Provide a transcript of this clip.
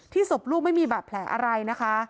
ศพลูกไม่มีบาดแผลอะไรนะคะ